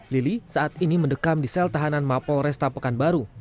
lili saat ini mendekam di sel tahanan mapol resta pekanbaru